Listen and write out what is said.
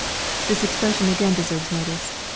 ] This expression again de serves notice.